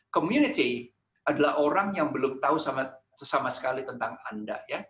community adalah orang yang belum tahu sama sekali tentang anda